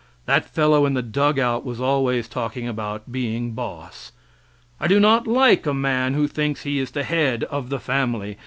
That fellow in the dug out was always talking about being boss. I do not like a man who thinks he is the head of the family.